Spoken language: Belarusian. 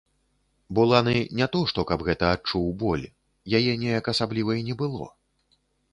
Буланы не то што каб гэта адчуў боль, яе неяк асабліва і не было.